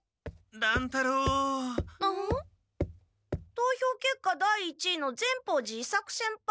投票けっか第一位の善法寺伊作先輩？